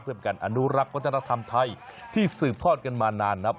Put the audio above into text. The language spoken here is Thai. เพื่อเป็นการอนุรักษ์วัฒนธรรมไทยที่สืบทอดกันมานานนับ